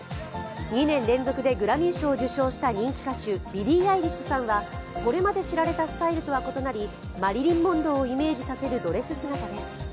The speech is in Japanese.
２年連続でグラミー賞を受賞した人気歌手ビリー・アイリッシュさんは、これまで知られたスタイルとは異なりマリリン・モンローさんをイメージさせるドレス姿です。